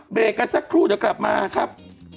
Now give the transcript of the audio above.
เบรกกันสักครู่เดี๋ยวกลับมาครับ